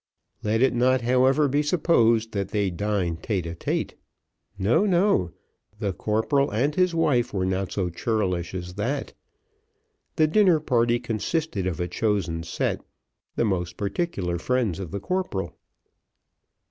Let it not, however, be supposed, that they dined tête à tête; no, no the corporal and his wife were not so churlish as that. The dinner party consisted of a chosen set, the most particular friends of the corporal.